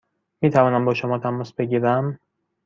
می توانم با شما تماس بگیرم؟